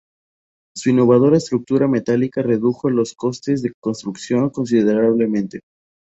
Su innovadora estructura metálica redujo los costes de construcción considerablemente.